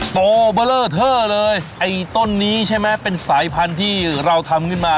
โตเบอร์เลอร์เทอร์เลยไอ้ต้นนี้ใช่ไหมเป็นสายพันธุ์ที่เราทำขึ้นมา